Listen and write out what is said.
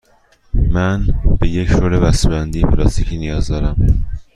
من به یک رول بسته بندی پلاستیکی نیاز دارم.